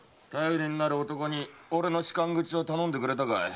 頼りになる男に俺の仕官口を頼んでくれたか？